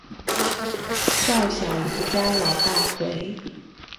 少小离家老大回